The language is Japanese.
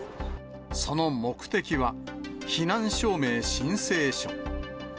その目的は、避難証明申請書。